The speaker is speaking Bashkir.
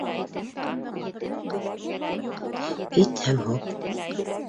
Ит һәм һоп